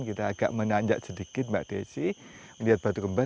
kita agak menanjak sedikit mbak desi melihat batu kembar